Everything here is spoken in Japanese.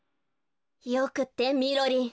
よくってみろりん！